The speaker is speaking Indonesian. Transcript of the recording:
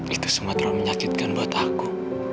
itu semua terlalu menyakitkan buat aku